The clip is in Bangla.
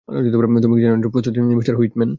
তুমি কি এর জন্যে প্রস্তুত, মিস্টার হুইটম্যান?